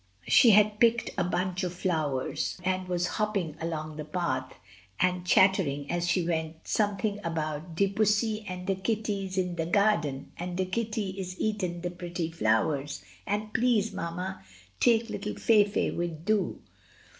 She had picked a bunch of flowers, and was hopping along the path, and chattering as she went something about "De pussy and de kitty is in de darden, and de kitty is eaten de petty flowers, and please, mamma, take 'ittle Fayfay wid dou."